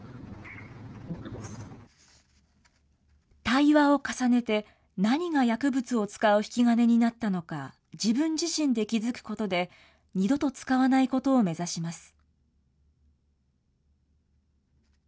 対話を重ねて、何が薬物を使う引き金になったのか、自分自身で気付くことで、二度と使わないことを目指します。